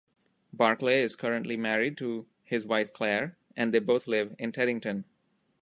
Barclay is currently married to his wife Clare, and they both live in Teddington.